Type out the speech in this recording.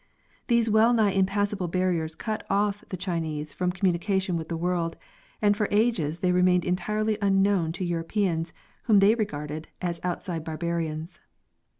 These well nigh impassable barriers cut off the Chinese from communication with the world, and for ages they remained entirely unknown to Europeans, whom they regarded as outside barbarians.